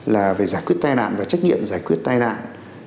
là về giải quyết tai nạn và trách nhiệm giải quyết tai nạn